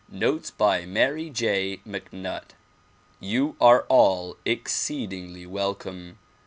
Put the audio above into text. Notes by Mary J. MacNutt YOU are all exceedingly welcome.